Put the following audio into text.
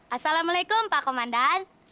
assalamualaikum pak komandan